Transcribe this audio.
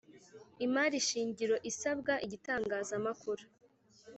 Imari shingiro isabwa igitangazamakuru